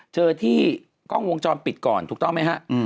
เจอที่กล้องวงจรปิดก่อนถูกต้องไหมฮะ